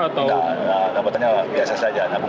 enggak jabatannya biasa saja